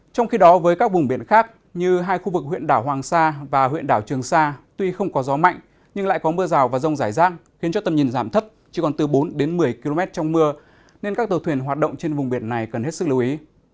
trong khi đó với các vùng biển khác như hai khu vực huyện đảo hoàng sa và huyện đảo trường sa tuy không có gió mạnh nhưng lại có mưa rào và rông rải rác khiến cho tầm nhìn giảm thấp chỉ còn từ bốn đến một mươi km trong mưa nên các tàu thuyền hoạt động trên vùng biển này cần hết sức lưu ý